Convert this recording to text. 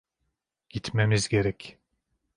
Gitmemiz gerek.